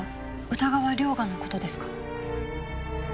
歌川涼牙の事ですか？